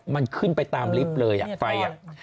มันขึ้นไปตามลิฟต์เลยอ่ะไฟ